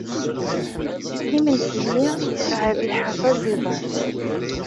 Imensi-nni yesɛa rriḥa d taẓidant.